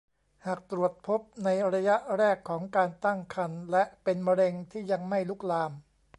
หากตรวจพบในระยะแรกของการตั้งครรภ์ และเป็นมะเร็งที่ยังไม่ลุกลาม